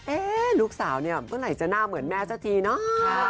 ลูกสาวเนี่ยเมื่อไหร่จะหน้าเหมือนแม่สักทีเนาะ